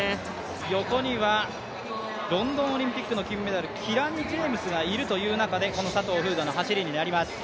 横にはロンドンオリンピックの金メダル、キラニ・ジェームスがいるという中でこの佐藤風雅の走りになります。